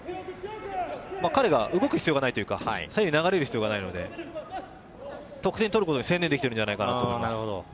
彼が動く必要がないというか、左右に流れる必要がないので、得点を取ることに専念できているんじゃないかなと。